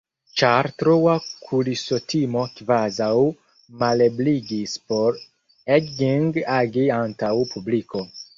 Ĉar troa kulisotimo kvazaŭ malebligis por Egging agi antaŭ publiko.